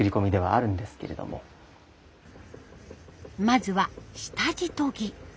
まずは下地研ぎ。